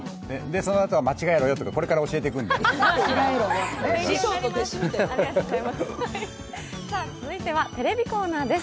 で、そのあとは間違えろとかこれから教えていくんで。